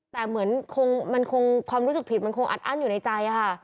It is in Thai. แต่เหมือนคงความรู้สึกผิดมันคงอัดอั้นอยู่ในใจค่ะ